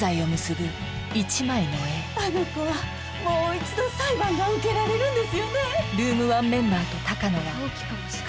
あの子はもう一度裁判が受けられるんですよね？